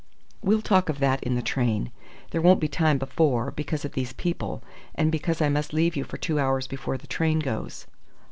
"We'll talk of that in the train. There won't be time before, because of these people, and because I must leave you for two hours before the train goes."